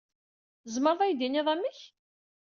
Tzemred ad iyi-d-tinid amek?